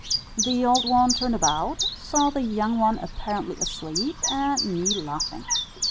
The old one turned about, saw the young one apparently asleep, and me laughing.